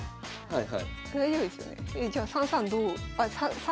はい。